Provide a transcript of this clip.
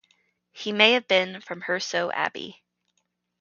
He may have been from Hirsau Abbey.